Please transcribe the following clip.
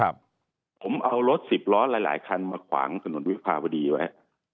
ผมเอารถสิบล้อหลายหลายคันมาขวางถนนวิภาวดีไว้